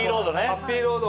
ハッピーロード